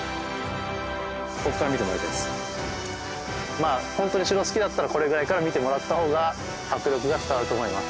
まあほんとに城好きだったらこれぐらいから見てもらった方が迫力が伝わると思います。